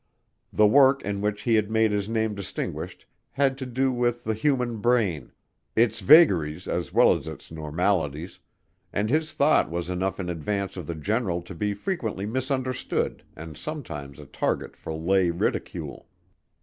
The work in which he had made his name distinguished had to do with the human brain its vagaries as well as its normalities and his thought was enough in advance of the general to be frequently misunderstood and sometimes a target for lay ridicule.